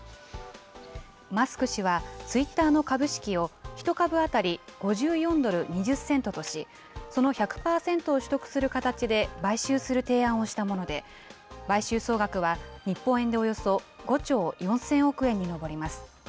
マスク氏は、ツイッターの株式を１株当たり５４ドル２０セントとし、その１００％を取得する形で、買収する提案をしたもので、買収総額は日本円でおよそ５兆４０００億円に上ります。